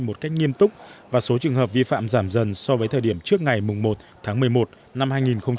một cách nghiêm túc và số trường hợp vi phạm giảm dần so với thời điểm trước ngày một tháng một mươi một năm hai nghìn một mươi chín